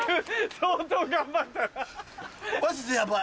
相当頑張った。